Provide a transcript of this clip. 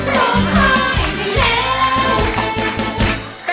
โทษให้